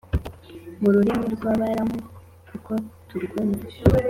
mu rurimi rw’Abaramu kuko turwumva;